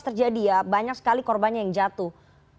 terjadi ya banyak sekali korbannya yang jatuh